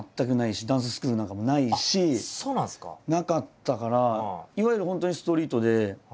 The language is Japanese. なかったからいわゆる本当にストリートで。